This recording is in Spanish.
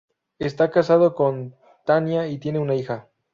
Está casado con Tanya y tienen una hija.